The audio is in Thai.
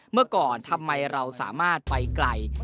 เมื่อก่อนทำไมเราสามารถไปไกล